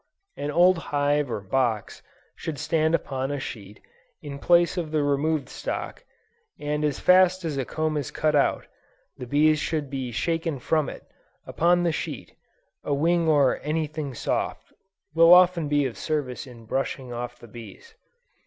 An old hive or box should stand upon a sheet, in place of the removed stock, and as fast as a comb is cut out, the bees should be shaken from it, upon the sheet; a wing or anything soft, will often be of service in brushing off the bees.